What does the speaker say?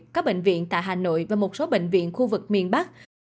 các bệnh viện tại hà nội và một số bệnh viện khu vực miền bắc